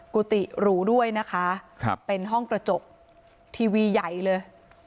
กุฏิหรูด้วยนะคะครับเป็นห้องกระจกทีวีใหญ่เลย